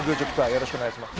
よろしくお願いします